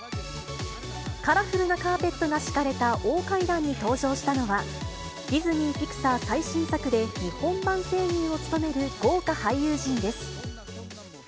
カラフルなカーペットが敷かれた大階段に登場したのは、ディズニー・ピクサー最新作で日本版声優を務める豪華俳優陣です。